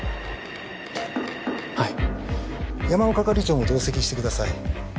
はい山尾係長も同席してください